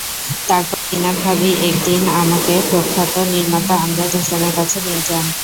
তারপর জিনাত ভাবিই একদিন আমাকে প্রখ্যাত নির্মাতা আমজাদ হোসেনের কাছে নিয়ে যান।